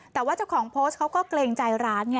แต่ว่าเจ้าของโพสต์เขาก็เกรงใจร้านไง